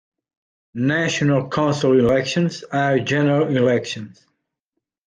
National Council elections are general elections.